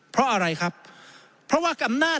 เพราะอะไรครับเพราะว่าอำนาจ